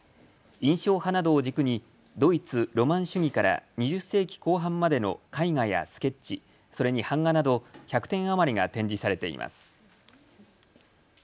印象派などを軸にドイツ・ロマン主義から２０世紀後半までの絵画やスケッチ、それに版画など１００点余りが展示されています。